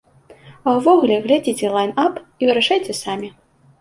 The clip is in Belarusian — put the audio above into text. А ўвогуле, глядзіце лайн-ап і вырашайце самі.